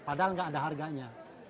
padahal gak ada harganya